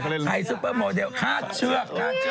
ใครไทยซุปเปอร์โมเดลคาดเชือก